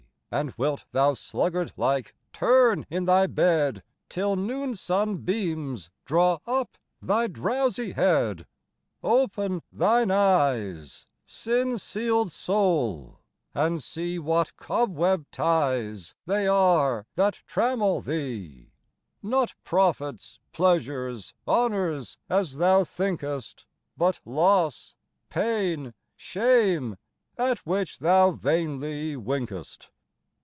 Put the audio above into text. And wilt thou sluggard like turn in thy bed, Till noon sun beams draw up thy drowsie head ? Open thine eyes, Sin seiled soule, and see What cobweb tyes They are that trammell thee. Not profits, pleasures, honours, as thou thinkest ; But losse, pain, shame, at which thou vainly winkest.